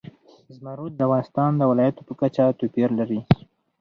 زمرد د افغانستان د ولایاتو په کچه توپیر لري.